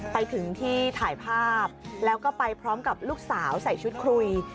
ไปถึงที่ถ่ายภาพแล้วก็ไปพร้อมกับลูกสาวใส่ชุดคุย